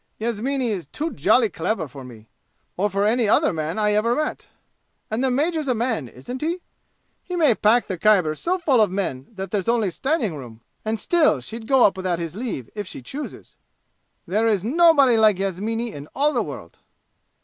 Yasmini is too jolly clever for me, or for any other man I ever met; and the major's a man, isn't he? He may pack the Khyber so full of men that there's only standing room and still she'll go up without his leave if she chooses! There is nobody like Yasmini in all the world!"